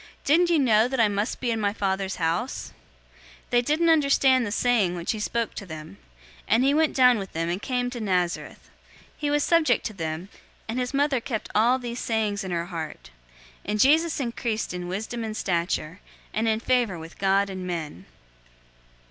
Didn't you know that I must be in my Father's house?" 002:050 They didn't understand the saying which he spoke to them. 002:051 And he went down with them, and came to Nazareth. He was subject to them, and his mother kept all these sayings in her heart. 002:052 And Jesus increased in wisdom and stature, and in favor with God and men.